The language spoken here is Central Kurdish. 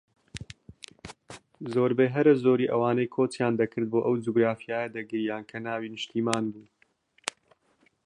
زۆربەی هەرە زۆری ئەوانەی کۆچیان دەکرد بۆ ئەو جوگرافیایە دەگریان کە ناوی نیشتمان بوو